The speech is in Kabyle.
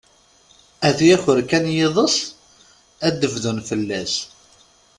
Ad t-yaker kan yiḍes, ad d-bdun fell-as.